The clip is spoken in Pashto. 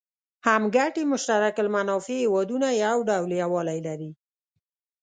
هم ګټي مشترک المنافع هېوادونه یو ډول یووالی لري.